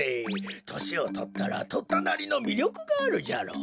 としをとったらとったなりのみりょくがあるじゃろう。